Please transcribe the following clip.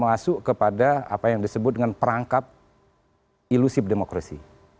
masuk kepada apa yang disebut dengan perangkap ilusif demokrasi